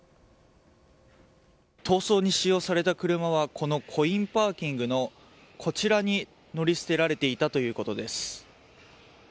逃走に使用された車はこのコインパーキングのこちらに乗り捨てられていたということです。